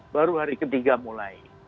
baru hari ketiga mulai